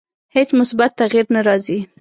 هیڅ مثبت تغییر نه راځي.